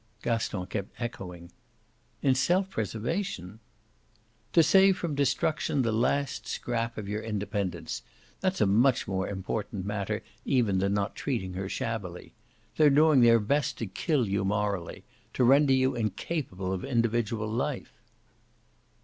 Gaston kept echoing. "In self preservation?" "To save from destruction the last scrap of your independence. That's a much more important matter even than not treating her shabbily. They're doing their best to kill you morally to render you incapable of individual life."